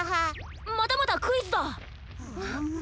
またまたクイズだ！